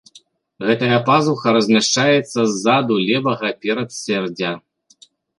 Гэтая пазуха размяшчаецца ззаду левага перадсэрдзя.